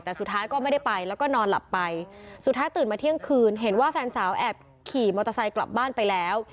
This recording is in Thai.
แต่สุดท้ายก็ไม่ได้ไปแล้วก็นอนหลับไปสุดท้ายตื่นมาเที่ยงคืนเห็นว่าแฟนสาวแอบขี่มอเตอร์ไซค์กลับบ้านไปแล้ว